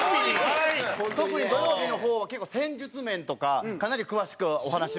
特に土曜日の方は結構戦術面とかかなり詳しくお話ししますので。